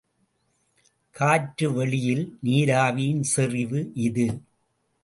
காற்றுவெளியில் நீராவியின் செறிவு இது.